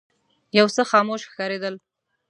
یو څه خاموش ښکارېدل.